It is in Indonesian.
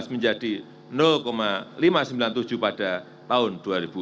menjadi lima ratus sembilan puluh tujuh pada tahun dua ribu dua puluh